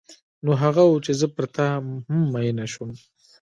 نو هغه و چې زه پر تا مینه هم شوم.